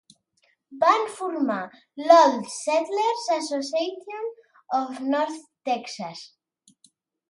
Van formar l'Old Settlers Association of North Texas.